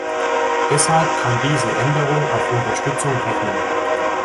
Deshalb kann diese Änderung auf Unterstützung rechnen.